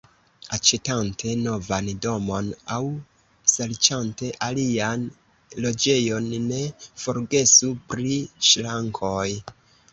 Aĉetante novan domon aŭ serĉante alian loĝejon, ne forgesu pri ŝrankoj.